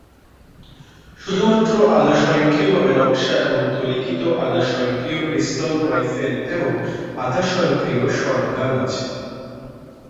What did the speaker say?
শুধুমাত্র আধা-স্বয়ংক্রিয়ভাবে নকশা এবং তৈরিকৃত আধা-স্বয়ংক্রিয় পিস্তল, রাইফেল, এবং আধা-স্বয়ংক্রিয় শটগান আছে।